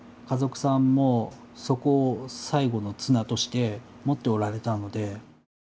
家族さんもそこを最後の綱としてもっておられたので。